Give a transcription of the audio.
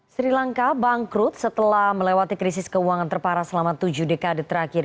sri lanka bangkrut setelah melewati krisis keuangan terparah selama tujuh dekade terakhir